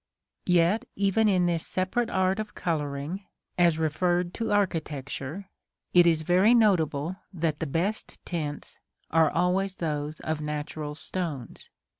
Yet even in this separate art of coloring, as referred to architecture, it is very notable that the best tints are always those of natural stones.